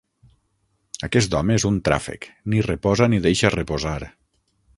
Aquest home és un tràfec: ni reposa ni deixa reposar.